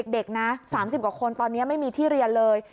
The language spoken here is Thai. เด็กนะ๓๐กว่าคนตอนนี้ไม่มีที่เรียนเลย